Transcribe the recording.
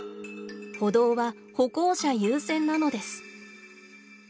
歩道は「歩行者優先」なのです。